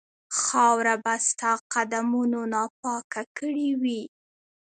خاوره به ستا قدمونو ناپاکه کړې وي.